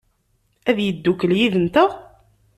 Ad yeddukel yid-nteɣ?